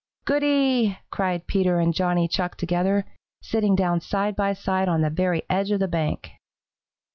"Goody!" cried Peter and Johnny Chuck together, sitting down side by side on the very edge of the bank.